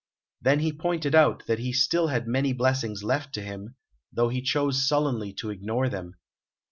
Then he pointed out that he had still many blessings left to him, though he chose sullenly to ignore them.